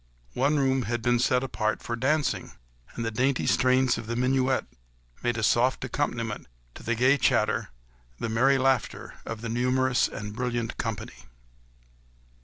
One room had been set apart for dancing, and the dainty strains of the minuet made a soft accompaniment to the gay chatter, the merry laughter of the numerous and brilliant company.